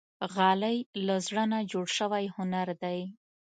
غالۍ له زړه نه جوړ شوی هنر دی.